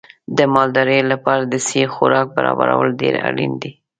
د مالدارۍ لپاره د صحي خوراک برابرول ډېر اړین دي.